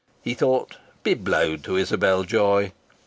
He thought: "Be blowed to Isabel Joy!"